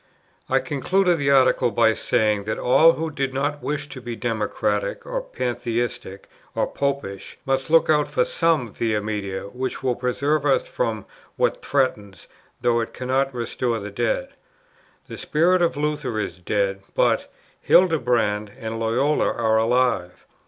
I concluded the Article by saying, that all who did not wish to be "democratic, or pantheistic, or popish," must "look out for some Via Media which will preserve us from what threatens, though it cannot restore the dead. The spirit of Luther is dead; but Hildebrand and Loyola are alive.